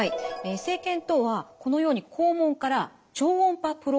生検とはこのように肛門から超音波プローブと呼ばれます